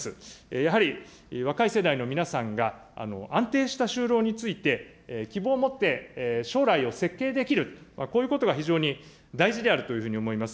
やはり若い世代の皆さんが安定した就労について、希望を持って将来を設計できる、こういうことが非常に大事であるというふうに思います。